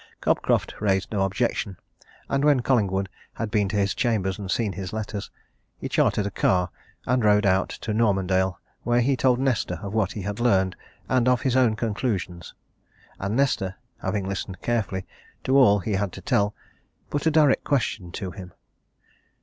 Cobcroft raised no objection, and when Collingwood had been to his chambers and seen his letters, he chartered a car and rode out to Normandale where he told Nesta of what he had learned and of his own conclusions. And Nesta, having listened carefully to all he had to tell, put a direct question to him.